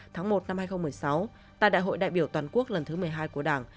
tháng một năm hai nghìn một mươi sáu tại đại hội đại biểu toàn quốc lần thứ một mươi hai của đảng